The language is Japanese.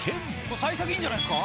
さい先いいんじゃないっすか。